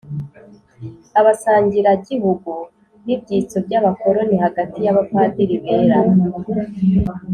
Abasangiragihugu n ibyitso by abakoroni hagati y abapadiri bera